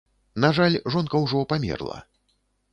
На жаль, жонка ўжо памерла.